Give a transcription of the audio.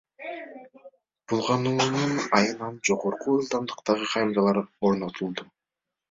Булгануунун айынан жогорку ылдамдыктагы камералар орнотулду.